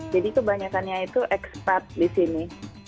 jadi kebanyakannya itu ekspat di sini